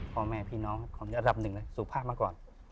พ่อแม่พี่น้องของระดับหนึ่งเลยสุภาพมาก่อน